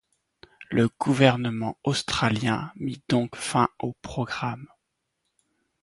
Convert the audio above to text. Le gouvernement australien mit donc fin au programme.